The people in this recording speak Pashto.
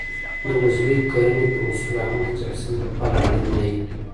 د عضوي کرنې پر اصولو عمل د چاپیریال ساتنې لپاره اړین دی.